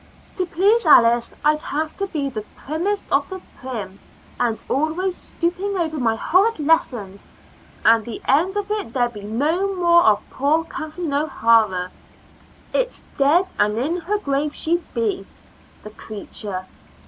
To please Alice I'd have to be the primmest of the prim, and always stooping over my horrid lessons, and the end of it there'd be no more of poor Kathleen O'Hara it's dead and in her grave she'd be, the creature.